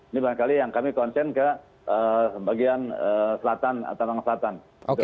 ini barangkali yang kami konsen ke bagian selatan tangerang selatan